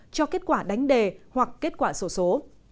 cho kết quả đánh đề hoặc kết quả sổ số